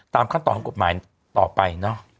ตามขั้นตอนกฎหมายต่อไป